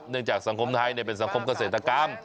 จากสังคมไทยเป็นสังคมเกษตรกรรม